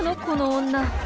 この女。